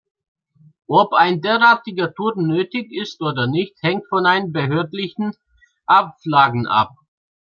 Ob ein derartiger Turm nötig ist oder nicht, hängt von behördlichen Auflagen ab.